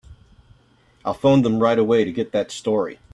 I'll phone them right away to get that story.